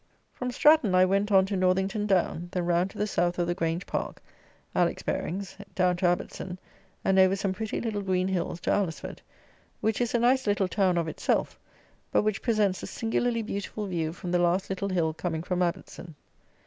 From Stratton I went on to Northington Down; then round to the South of the Grange Park (Alex. Baring's), down to Abbotson, and over some pretty little green hills to Alresford, which is a nice little town of itself, but which presents a singularly beautiful view from the last little hill coming from Abbotson.